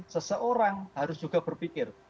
seseorang harus juga berpikir